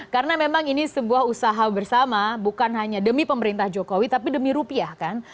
karena memang ini sebuah usaha bersama bukan hanya demi pemerintah jokowi tapi demi rupiah kan